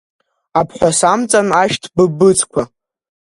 Абҳәасамҵан ашәҭ быбыцқәа…